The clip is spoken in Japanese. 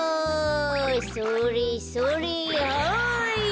それそれはい！